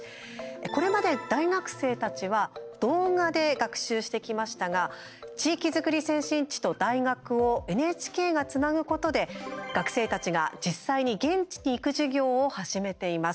これまで大学生たちは動画で学習してきましたが地域づくり先進地と大学をＮＨＫがつなぐことで学生たちが実際に現地に行く授業を始めています。